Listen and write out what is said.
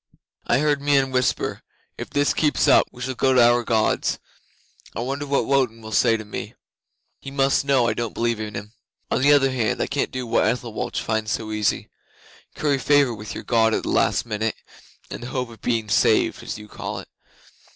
'I heard Meon whisper, "If this keeps up we shall go to our Gods. I wonder what Wotan will say to me. He must know I don't believe in him. On the other hand, I can't do what Ethelwalch finds so easy curry favour with your God at the last minute, in the hope of being saved as you call it.